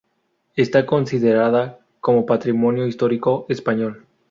Está considerada como Patrimonio Histórico Español.